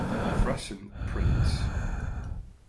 Fresson Prints.